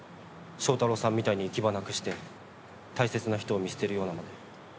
正太郎さんみたいに行き場なくして大切な人を見捨てるようなまね。